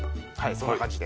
そんな感じで。